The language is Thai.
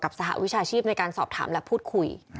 สหวิชาชีพในการสอบถามและพูดคุย